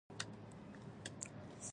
د ژبارواپوهنې څانګه د ژبزده کړې مسالې څېړي